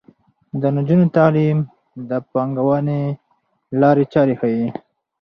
د نجونو تعلیم د پانګونې لارې چارې ښيي.